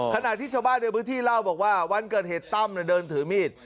ขณะที่ชาวบ้านในพื้นที่เล่าบอกว่าวันเกิดเหตุตั้มเดินถือมีด